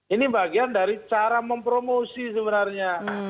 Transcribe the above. ini bagian dari cara mempromosi sebenarnya